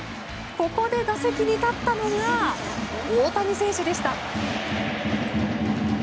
ここで打席に立ったのが大谷選手でした。